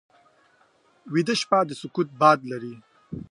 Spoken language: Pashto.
ویده شپه د سکوت باد لري